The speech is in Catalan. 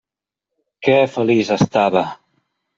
Que feliç estava!